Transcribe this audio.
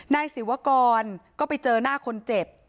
นายศิวกรก็ไปเจอหน้าคนเจ็บ